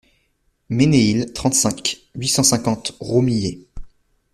Ménéhil, trente-cinq, huit cent cinquante Romillé